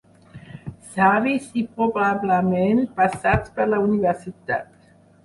Savis, i probablement passats per la universitat.